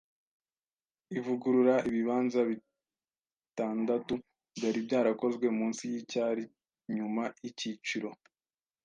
ivugurura; ibibanza bitandatu byari byarakozwe munsi yicyari nyuma yicyiciro